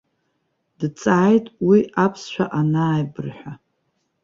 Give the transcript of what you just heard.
Дҵааит уи аԥсшәа анааибырҳәа.